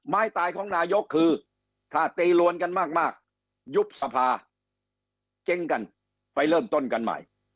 ตายของนายกคือถ้าตีรวนกันมากยุบสภาเจ๊งกันไปเริ่มต้นกันใหม่